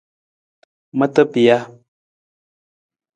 Mata pija.